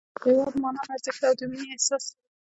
د هېواد مانا، ارزښت او د مینې احساس